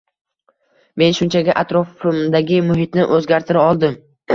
Men shunchaki atrofimdagi muhitni o’zgartira oldim